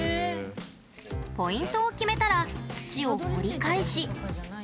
ポイントを決めたら土を掘り返し。